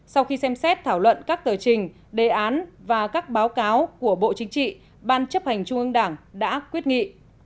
sau khi xem xét thảo luận các tờ trình đề án và các báo cáo của bộ chính trị ban chấp hành trung ương đảng đã quyết nghị